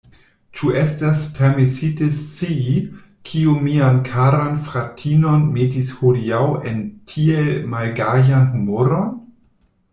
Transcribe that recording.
Ĉu estas permesite scii, kio mian karan fratinon metis hodiaŭ en tiel malgajan humoron?